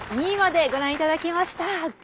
２位までご覧頂きました。